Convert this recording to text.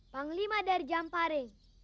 panglima dari jamparing